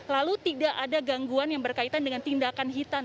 lalu tidak ada gangguan yang berkaitan dengan tindakan hitan